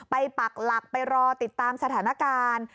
ปักหลักไปรอติดตามสถานการณ์